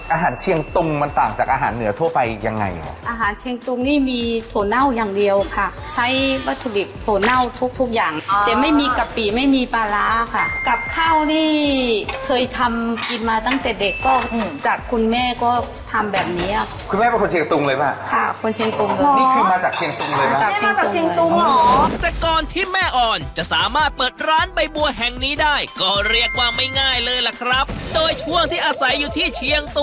อาหารเชียงตุงมันต่างจากอาหารเหนือทั่วไปยังไงอาหารเชียงตุงนี่มีโถ่เน่าอย่างเดียวค่ะใช้วัตถุดิบโถ่เน่าทุกทุกอย่างอ๋อแต่ไม่มีกะปิไม่มีปลาร้าค่ะกับข้าวนี่เคยทำกินมาตั้งแต่เด็กก็จากคุณแม่ก็ทำแบบนี้อ่ะคุณแม่เป็นคนเชียงตุงเลยป่ะค่ะคนเชียงตุงเลยนี่คือมาจากเชียงต